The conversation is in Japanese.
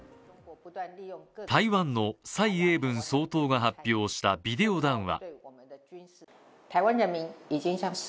台湾の蔡英文総統が発表したビデオ談話。